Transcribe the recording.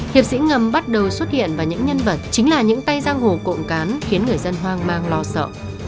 hiệp sĩ ngầm bắt đầu xuất hiện vào những nhân vật chính là những tay giang hồ cộm cán khiến người dân hoang mang lo sợ